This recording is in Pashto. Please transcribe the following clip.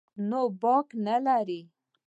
نو باک نه لري.